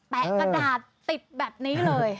กระดาษติดแบบนี้เลย